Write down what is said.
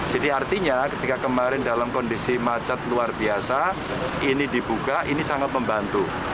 jadi artinya ketika kemarin dalam kondisi macet luar biasa ini dibuka ini sangat membantu